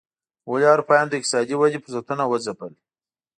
ولې اروپایانو د اقتصادي ودې فرصتونه وځپل.